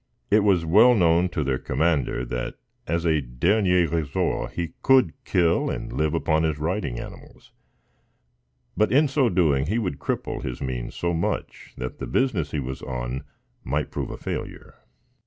It was well known to their commander that, as a dernier resort, he could kill and live upon his riding animals, but in so doing, he would cripple his means so much, that the business he was on might prove a failure.